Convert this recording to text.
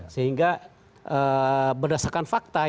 sehingga berdasarkan fakta